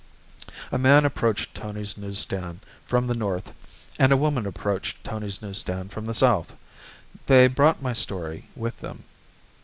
A man approached Tony's news stand from the north, and a woman approached Tony's news stand from the south. They brought my story with them.